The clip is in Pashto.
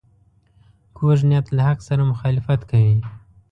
کوږ نیت له حق سره مخالفت کوي